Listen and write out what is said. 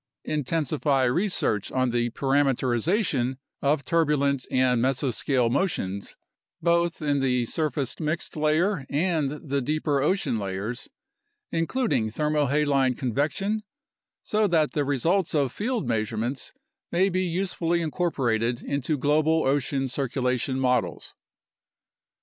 Intensify research on the parameterization of turbulent and meso scale motions both in the surface mixed layer and the deeper ocean layers, including thermohaline convection, so that the results of field measurements may be usefully incorporated into global ocean circulation models.